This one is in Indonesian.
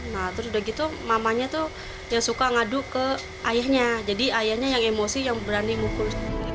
nah terus udah gitu mamanya tuh yang suka ngadu ke ayahnya jadi ayahnya yang emosi yang berani mukul